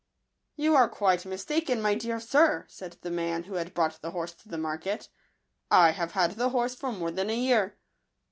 " You are quite mistaken, my dear sir," said the man who had brought the horse to the market ;" I have had the horse for more than a year.